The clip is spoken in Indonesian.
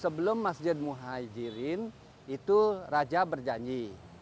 sebelum masjid muhajirin itu raja berjanji